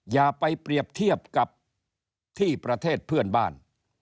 อย่าไปเปรียบเทียบกับที่ประเทศเพื่อนบ้าน